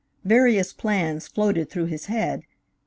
Various plans floated through his head.